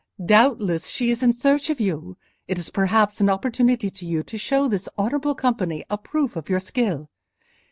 Doubtless she is in search of you; it is perhaps an opportunity for you to show this honourable company a proof of your skill.